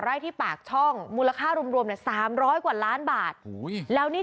ไร่ที่ปากช่องมูลค่ารวมเนี่ย๓๐๐กว่าล้านบาทแล้วนี่